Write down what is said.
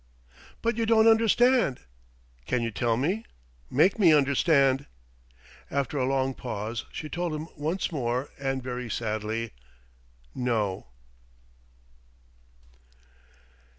"But you don't understand " "Can you tell me make me understand?" After a long pause, she told him once more, and very sadly: "No."